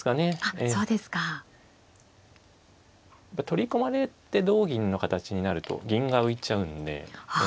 取り込まれて同銀の形になると銀が浮いちゃうんで。